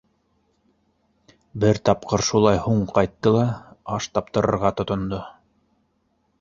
Бер тапҡыр шулай һуң ҡайтты ла, аш таптырырға тотондо.